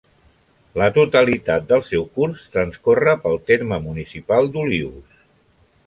La totalitat del seu curs transcorre pel terme municipal d'Olius.